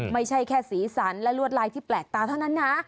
ไม่ใช่แค่สีสันและลวดลายที่แปลกตาเท่านั้นนะ